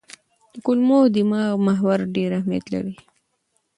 د کولمو او دماغ محور ډېر اهمیت لري.